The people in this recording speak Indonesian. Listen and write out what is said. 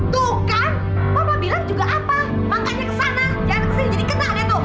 tuh kan papa bilang juga apa makanya ke sana jangan kesini jadi kena nek tuh